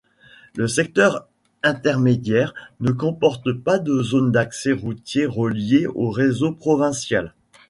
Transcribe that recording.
Le secteur intermédiaire ne comporte pas de zones d’accès routiers relié au réseau provincial.